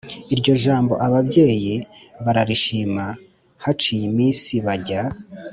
iryo jambo ababyeyi bararishima haciye iminsi bajya